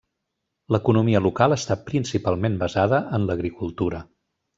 L'economia local està principalment basada en l'agricultura.